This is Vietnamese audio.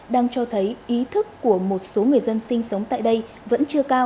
đang cho thấy ý thức của một số người dân sinh sống tại đây vẫn chưa cao